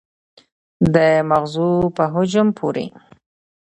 د مغزو په حجم پورې